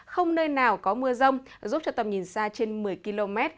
không nơi nào có mưa rông giúp cho tầm nhìn xa trên một mươi km